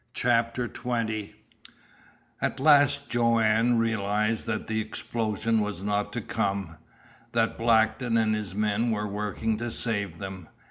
CHAPTER XX At last Joanne realized that the explosion was not to come, that Blackton and his men were working to save them.